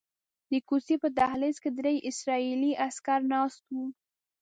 د کوڅې په دهلیز کې درې اسرائیلي عسکر ناست وو.